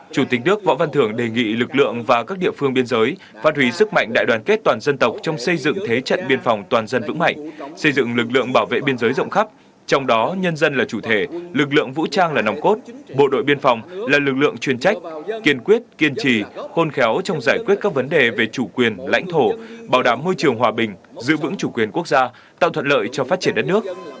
chủ tịch nước võ văn thưởng đề nghị lực lượng và các địa phương biên giới phát hủy sức mạnh đại đoàn kết toàn dân tộc trong xây dựng thế trận biên phòng toàn dân vững mạnh xây dựng lực lượng bảo vệ biên giới rộng khắp trong đó nhân dân là chủ thể lực lượng vũ trang là nòng cốt bộ đội biên phòng là lực lượng chuyên trách kiên quyết kiên trì khôn khéo trong giải quyết các vấn đề về chủ quyền lãnh thổ bảo đảm môi trường hòa bình giữ vững chủ quyền quốc gia tạo thuận lợi cho phát triển đất nước